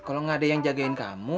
kalau gak ada yang jagain kamu